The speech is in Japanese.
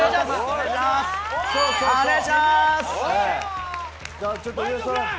お願いします。